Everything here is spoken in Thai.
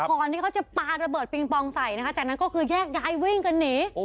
ก่อนที่เขาจะปาระเบิดปิงปองใส่นะคะจากนั้นก็คือแยกย้ายวิ่งกันหนี